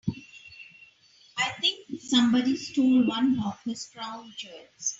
I think somebody stole one of his crown jewels.